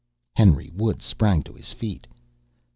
Henry Woods sprang to his feet.